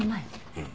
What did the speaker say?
うん。